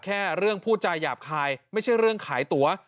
แค่เรื่องพูดจาหยาบคายไม่ใช่เรื่องขายตั๋ว